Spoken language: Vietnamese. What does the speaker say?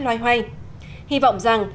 loay hoay hy vọng rằng